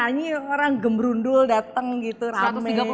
karena nyanyi orang gemerundul dateng gitu rame